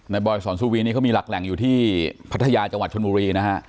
บอยสอนสุวีนี่เขามีหลักแหล่งอยู่ที่พัทยาจังหวัดชนบุรีนะฮะ